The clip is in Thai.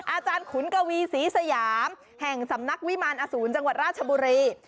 ขุนกวีศรีสยามแห่งสำนักวิมารอสูรจังหวัดราชบุรี